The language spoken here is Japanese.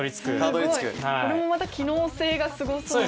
これもまた機能性がすごそうな。